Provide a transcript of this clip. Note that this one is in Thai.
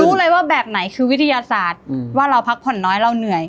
รู้เลยว่าแบบไหนคือวิทยาศาสตร์ว่าเราพักผ่อนน้อยเราเหนื่อย